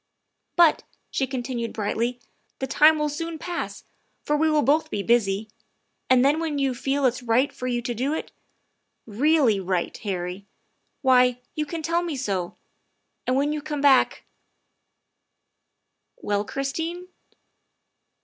" But," she continued brightly, " the time will soon pass, for we will both be busy. And then when you feel that it 's right for you to do it, really right, Harry, why, you can tell me so. And when you come back "" Well, Christine?"